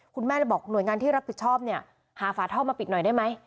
คุณแม่เลยบอกหน่วยงานที่รับผิดชอบเนี่ยหาฝาท่อมาปิดหน่อยได้ไหม